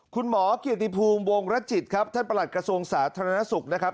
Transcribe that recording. คุณหมอเกียรติภูมิวงรจิตครับท่านประหลัดกระทรวงสาธารณสุขนะครับ